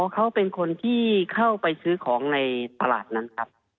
เขาเป็นคนที่เข้าไปซื้อของในตลาดนั้นครับ